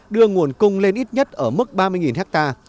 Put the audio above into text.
đưa nguồn cung lên ít nhất ở mức ba mươi ha